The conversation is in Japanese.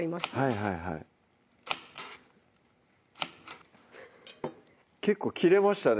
はいはい結構切れましたね